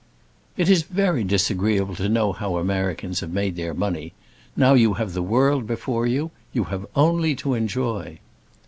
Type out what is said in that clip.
"It is very disagreeable to know how Americans have made their money. Now you have the world before you. You have only to enjoy."